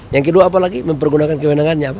yang kedua apa lagi mempergunakan kewenangannya apa